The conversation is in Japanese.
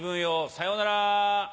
さよなら。